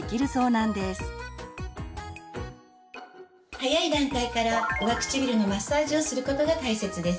早い段階から上唇のマッサージをすることが大切です。